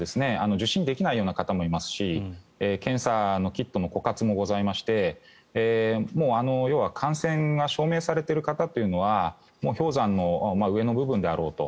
受診できないような方もいますし検査のキットの枯渇もございまして要は、感染が証明されている方というのは氷山の上の部分であろうと。